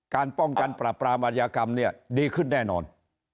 การป้องกันปราบปรามอัญญากรรมเนี่ยดีขึ้นแน่นอน